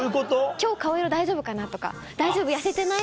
今日顔色大丈夫かなとか「大丈夫？痩せてない？」。